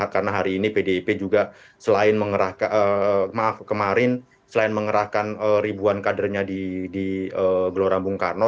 karena hari ini pdip juga selain mengerahkan ribuan kadernya di gelora bung karno